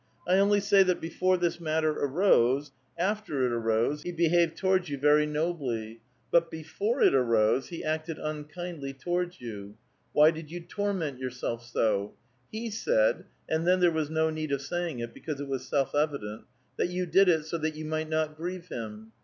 I only say that before tliis matter arose : after it arose, he behaved towards you very nobly ; but before it arose, he acted unkindly towards you. Why did 3'oa tor ment vourself so? He said — and then there was no need of saying it, because it was self evident — that you did it, so that you might not grieve him.